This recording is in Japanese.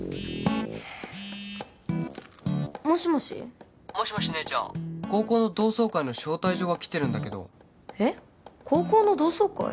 もしもし☎もしもし姉ちゃん高校の同窓会の招待状が来てるんだけどえっ高校の同窓会？